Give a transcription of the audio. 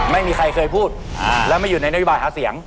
ไม่เคยพูดแล้วไม่อยู่ในนโยบายหาเสียง